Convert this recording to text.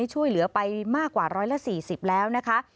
ช่วยเหลือไปมากกว่า๑๔๐แล้วนะคะ